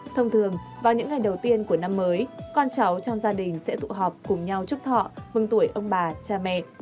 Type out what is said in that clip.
thông thường vào những ngày đầu tiên của năm mới con cháu trong gia đình sẽ tụ họp cùng nhau chúc thọ mừng tuổi ông bà cha mẹ